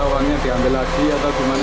uangnya diambil lagi atau gimana